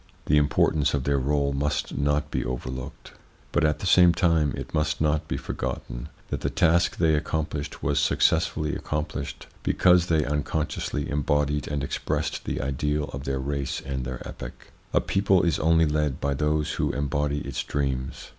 The importance of their role must not be overlooked ; but, at the same time, it must not be forgotten that the task they accomplished was successfully accomplished because they unconsciously embodied and expressed the ideal of their race and their epoch. A people is only led by those who embody its dreams.